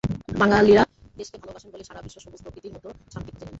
বাঙালিরা দেশকে ভালোবাসেন বলেই সারা দিন সবুজ প্রকৃতির মধ্যে শান্তি খুঁজে নেন।